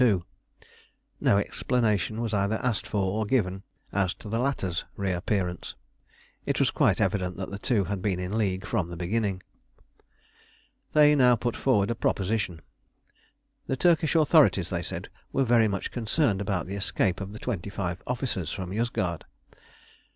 2. No explanation was either asked for or given as to the latter's reappearance: it was quite evident that the two had been in league from the beginning. They now put forward a proposition: the Turkish authorities, they said, were very much concerned about the escape of the twenty five officers from Yozgad.